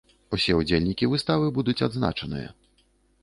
Усе ўдзельнікі выставы будуць адзначаныя.